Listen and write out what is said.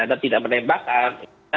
dan tidak menembakkan